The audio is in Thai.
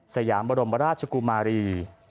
สยามบรมราชกุมารี